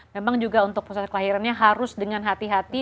memang juga untuk proses kelahirannya harus dengan hati hati